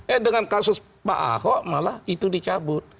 eh dengan kasus pak ahok malah itu dicabut